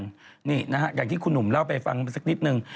อย่างที่คุณหนุ่มเล่าไปฟังดีสักนิดหนึ่ง